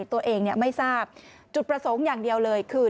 ตัวเองไม่ทราบจุดประสงค์อย่างเดียวเลยคือ